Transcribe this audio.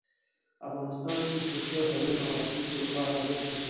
افغانستان کې پسه د نن او راتلونکي لپاره ارزښت لري.